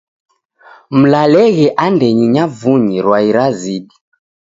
Mlalenghe andenyi nyavunyi rwai razidi.